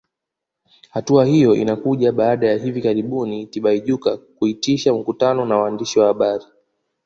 Hatua hiyo inakuja baada ya hivi karibuni Tibaijuka kuitisha mkutano na waandishi wa habari